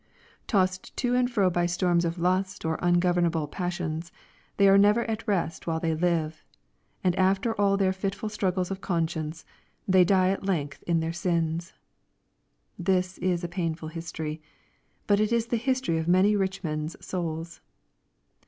Tossed to and fro by storms of lust or ungovernable passions, they are never at rest while they live, and after all their fitful struggles of conscience, they die at length in their sins — This is a painful history. But it is the history of many rich men's souls.